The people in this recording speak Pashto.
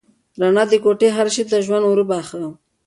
رڼا د کوټې هر شی ته ژوند ور وباښه.